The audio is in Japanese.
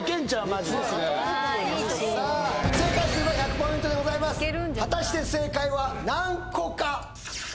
マジでさあ正解すれば１００ポイントでございます果たして正解は何個か？